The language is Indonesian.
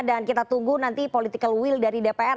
dan kita tunggu nanti political will dari dpr